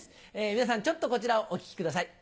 皆さんちょっとこちらをお聴きください。